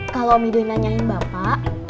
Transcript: kalau om idoi nanyain bapak